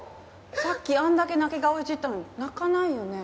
さっきあんだけ泣き顔いじったのに泣かないよね？